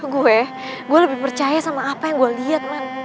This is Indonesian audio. gue lebih percaya sama apa yang gue liat man